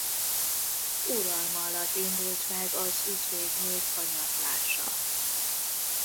Uralma alatt indult meg az üzbég nép hanyatlása.